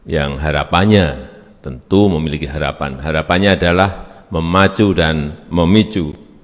yang harapannya tentu memiliki harapan harapannya adalah memacu dan memicu